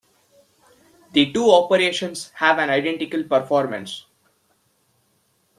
The two operations have an identical performance.